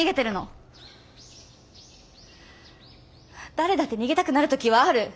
誰だって逃げたくなる時はある。